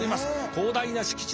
広大な敷地です。